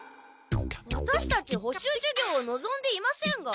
ワタシたち補習授業をのぞんでいませんが？